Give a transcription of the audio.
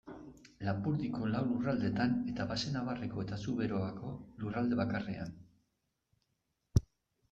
Lapurdiko lau lurraldetan, eta Baxenabarreko eta Zuberoako lurralde bakarrean.